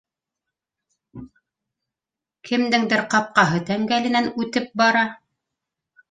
Кемдеңдер ҡапҡаһы тәңгәленән үтеп бара